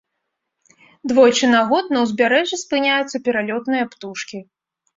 Двойчы на год на ўзбярэжжы спыняюцца пералётныя птушкі.